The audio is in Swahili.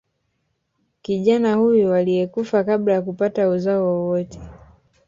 Kijana huyo aliyekufa kabla ya kupata uzao wowote